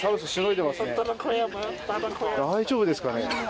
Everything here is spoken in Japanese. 大丈夫ですかね？